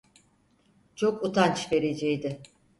Çok utanç vericiydi.